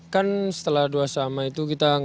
kan setelah dua sama itu kita tidak masuk